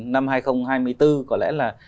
năm hai nghìn hai mươi bốn có lẽ là